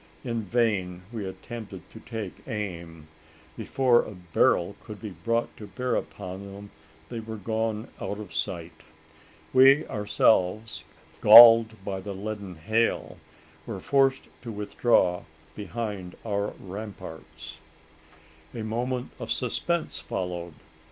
In vain we attempted to take aim; before a barrel could be brought to bear upon them, they were gone out of sight. We ourselves, galled by the leaden hail, were forced to withdraw behind our ramparts. A moment of suspense followed.